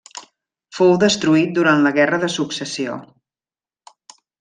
Fou destruït durant la Guerra de Successió.